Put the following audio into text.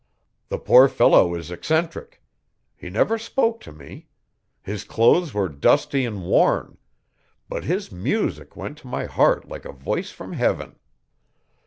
The poor fellow is eccentric. He never spoke to me. His clothes were dusty and worn. But his music went to my heart like a voice from Heaven.